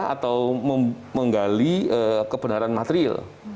atau menggali kebenaran material